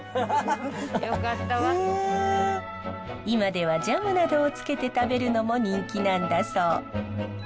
今ではジャムなどをつけて食べるのも人気なんだそう。